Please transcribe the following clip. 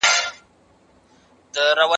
له ماتې او ناکامۍ څخه مه ډارېږئ.